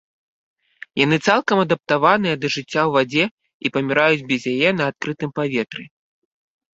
Яны цалкам адаптаваныя да жыцця ў вадзе і паміраюць без яе на адкрытым паветры.